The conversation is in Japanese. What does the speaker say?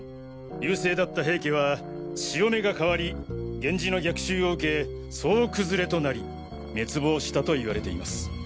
優勢だった平家は潮目が変わり源氏の逆襲を受け総崩れとなり滅亡したと言われています。